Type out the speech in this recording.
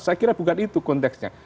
saya kira bukan itu konteksnya